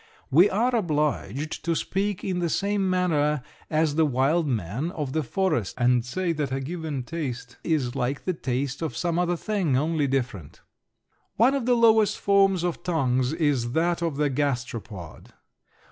We are obliged to speak in the same manner as the wild man of the forest and say that a given taste is like the taste of some other thing, only different. One of the lowest forms of tongues is that of the gasteropod.